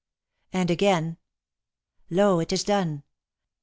And again: "Lo! it is done.